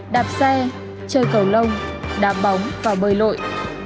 đạp xe chơi cầu lông đá bóng và bơi lội